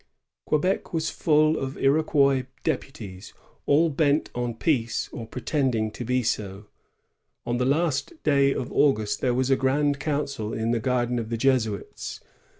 Quebec was full of Iroquois deputies, all bent on peace or pretending to be so. On the last day of August there was a grand council in the garden of the Jesuits.